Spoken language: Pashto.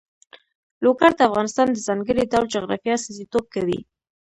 لوگر د افغانستان د ځانګړي ډول جغرافیه استازیتوب کوي.